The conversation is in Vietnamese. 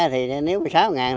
thì nếu sáu ngàn